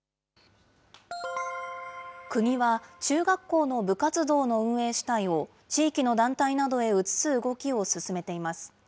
国は、中学校の部活動の運営主体を、地域の団体などへ移す動きを進めています。